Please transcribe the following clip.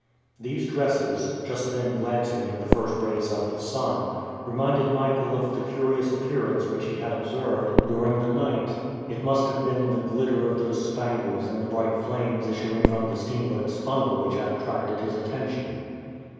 These dresses, just then glancing in the first rays of the sun, reminded Michael of the curious appearance which he had observed during the night. It must have been the glitter of those spangles in the bright flames issuing from the steamboat's funnel which had attracted his attention.